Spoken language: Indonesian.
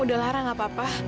udah larang apa apa